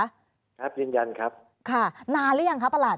ครับยืนยันครับค่ะนานหรือยังครับประหลัด